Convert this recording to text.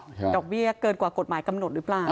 ดอกเบี้ยเกินกว่ากฎหมายกำหนดหรือเปล่า